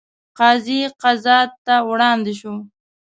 قاضي قضات ته وړاندې شوه.